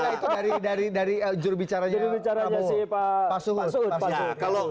itu dari jurubicaranya pak suud